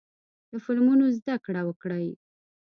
له فلمونو زده کړه وکړئ.